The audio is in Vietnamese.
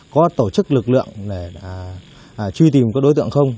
có tổ chức lực lượng để truy tìm các đối tượng không